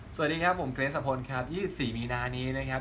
สวัสดีครับผมเกรสสะพลครับ๒๔มีนานี้นะครับ